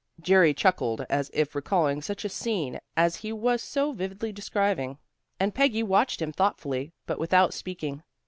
Jerry chuckled, as if recalling such a scene as he was so vividly describing, and Peggy watched him thoughtfully but without speaking.